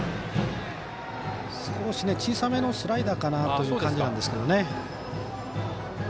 少し小さめのスライダーかなという感じなんですけどね。